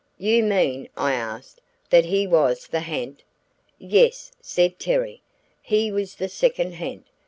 "You mean," I asked, "that he was the ha'nt?" "Yes," said Terry, "he was the second ha'nt.